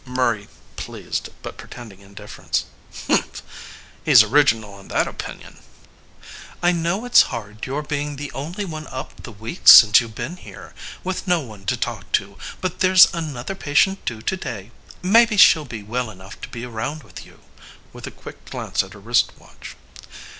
MURRAY (pleased, but pretending indifference). Humph ! He s original in that opinion. MISS HOWARD. I know it s hard your being the only one up the week since you ve been here, with no one to talk to ; but there s another patient due to day. Maybe she ll be well enough to be around with you. (With a quick glance at her wrist watch.